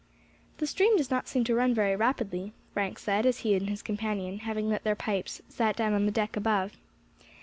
"The stream does not seem to run very rapidly," Frank said, as he and his companion, having lit their pipes, sat down on the deck above.